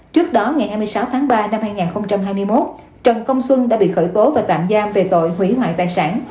trước đó ngày hai mươi sáu tháng ba năm hai nghìn hai mươi một trần công xuân đã bị khởi tố và tạm giam về tội hủy hoại tài sản